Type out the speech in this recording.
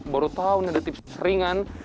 baru tahu nih ada tips ringan